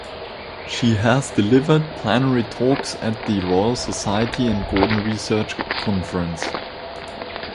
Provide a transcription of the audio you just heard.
She has delivered plenary talks at the Royal Society and Gordon Research Conference.